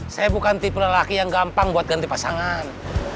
saya bukan tipe lelaki yang gampang buat ganti pasangan